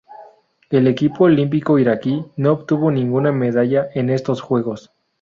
El equipo olímpico iraquí no obtuvo ninguna medalla en estos Juegos.